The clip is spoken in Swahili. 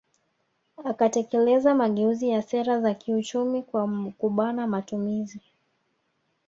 Akatekeleza mageuzi ya sera za kiuchumi kwa kubana matumizi